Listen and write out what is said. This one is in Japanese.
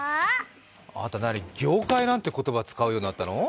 あんた何、業界なんて言葉使うようになったの？